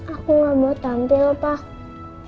aku gak mau tampil pak